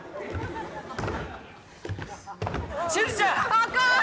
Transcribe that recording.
あかん！